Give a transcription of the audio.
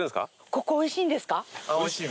ここおいしいんですか？